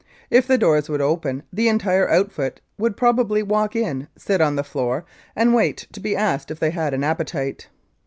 If the doors would open the entire outfit would probably walk in, sit on the floor, and wait to be asked if they had an appetite.